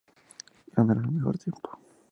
Ganará el mejor tiempo.